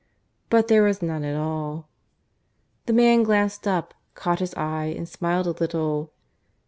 But there was none at all. The man glanced up, caught his eye, and smiled a little.